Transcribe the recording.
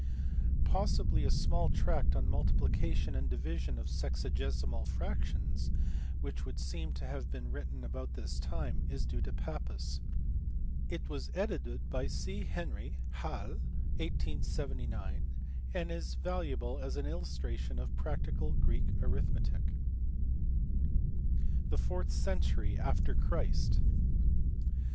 Possibly a small tract on multiplication and division of sexagesimal fractions, which would seem to have been written about this time, is due to Pappus. It was edited by C. Henry, Halle, 1879, and is valuable as an illustration of practical Greek arithmetic. The fourth century after Christ.